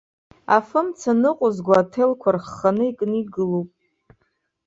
Афымца ныҟәызго аҭелқәа рхханы икны игылоуп.